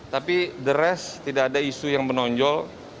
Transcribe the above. tapi the rest tidak ada isu yang menonjol